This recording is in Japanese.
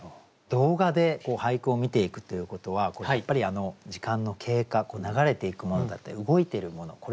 動画で俳句を見ていくということはやっぱり時間の経過流れていくものだったり動いているもの